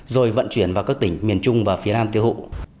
rồi vận chuyển vào các tỉnh miền trung và phía nam tiêu thụ